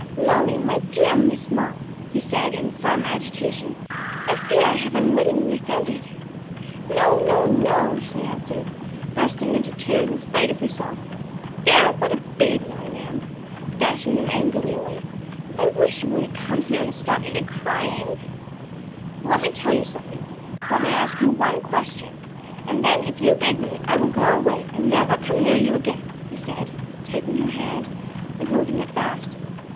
"Molly, my dear Miss Molly," he said, in some agitation, "I fear I have unwittingly offended." "No, no, no!" she answered, bursting into tears in spite of herself. "There, what a baby I am!" dashing them angrily away. "I wish you wouldn't come here and set me to crying." "Let me tell you something, let me ask you one question; and then if you bid me, I will go away and never come near you again," he said, taking her hand and holding it fast.